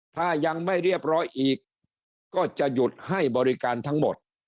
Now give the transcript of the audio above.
ถ้ายังไม่เรียบร้อยอีกก็จะหยุดให้บริการทั้งหมด